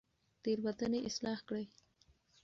تېروتنې اصلاح کړئ.